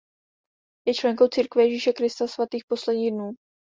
Je členkou Církve Ježíše Krista Svatých Posledních dnů.